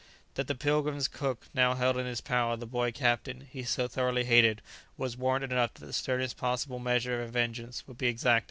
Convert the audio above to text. That the "Pilgrim's" cook now held in his power the boy captain he so thoroughly hated was warrant enough that the sternest possible measure of vengeance would be exacted.